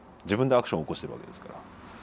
自分でアクション起こしてるわけですから。